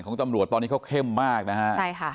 ของตำรวจตอนนี้เขาเข้มมากนะฮะใช่ค่ะ